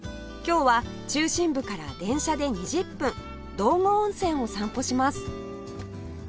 今日は中心部から電車で２０分道後温泉を散歩します